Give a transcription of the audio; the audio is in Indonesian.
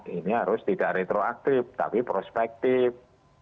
ini harus tidak retroaktif tapi prospektif